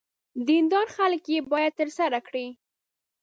دیندار خلک یې باید ترسره کړي.